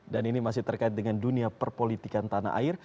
dan ini masih terkait dengan dunia perpolitikan tanah air